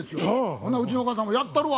ほなうちのお母さんも「やったるわ」